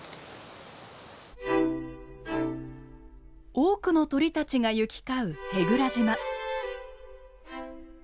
多くの鳥たちが行き交う舳倉島。